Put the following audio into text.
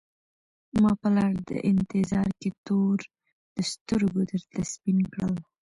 ما په لار د انتظار کي تور د سترګو درته سپین کړل